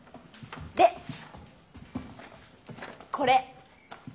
でこれ。